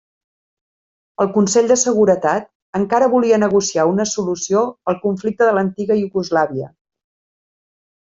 El Consell de Seguretat encara volia negociar una solució al conflicte a l'antiga Iugoslàvia.